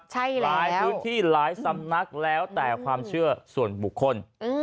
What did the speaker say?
ใช่แล้วหลายพื้นที่หลายสำนักแล้วแต่ความเชื่อส่วนบุคคล